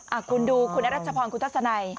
อ่ะคุณดูคุณแอ๊ะรัชพรคุณทัศนัย